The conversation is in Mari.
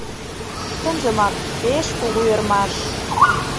Чынжымак, пеш кугу ӧрмаш.